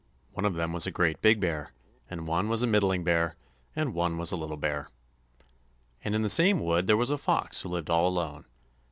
One of them was a great big bear, and one was a middling bear, and one was a little bear. And in the same wood there was a fox who lived all alone.